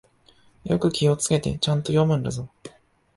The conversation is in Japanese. よく気をつけて、ちゃんと読むんだぞ。